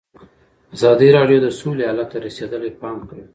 ازادي راډیو د سوله حالت ته رسېدلي پام کړی.